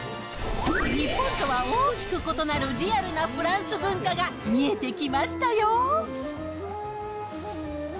日本とは大きく異なるリアルなフランス文化が見えてきましたよ。